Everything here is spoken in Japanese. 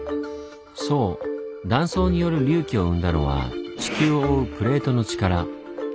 断層による隆起を生んだのは地球を覆うプレートの力。